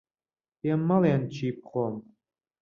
پێم مەڵێن چی بخۆم.